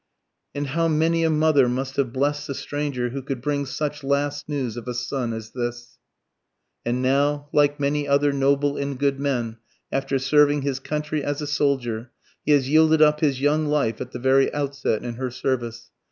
And how many a mother must have blessed the stranger who could bring such last news of a son as this: "And now like many other noble and good men, after serving his country as a soldier, he has yielded up his young life at the very outset in her service.